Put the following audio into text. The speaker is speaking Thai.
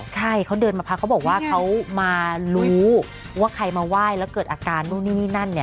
ใช่เขาเดินมาพักเขาบอกว่าเขามารู้ว่าใครมาไหว้แล้วเกิดอาการนู่นนี่นี่นั่นเนี่ย